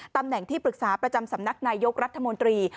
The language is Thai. ตำแหน่งที่ปรึกษาประจำสำนักนายยกรัฐมนตรี